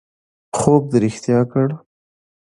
خوب دې رښتیا کړ